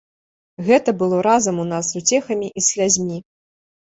Гэта было разам у нас з уцехамі і з слязьмі.